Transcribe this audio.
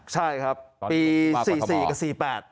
ใช่ครับปี๔๔กับ๔๘